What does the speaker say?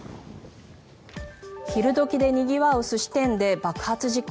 昼時でにぎわう寿司店で爆発事故。